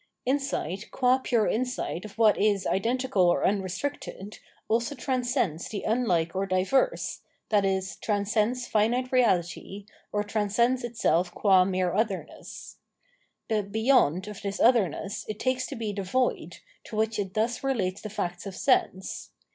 Insight, qua pure insight of what is identical or unrestricted, also transcends the unlike or diverse, i.e. transcends finite reahty, or transcends itself qua mere otherness. The " beyond " of this otherness it takes to be the void, to which it thus relates the facts of sense.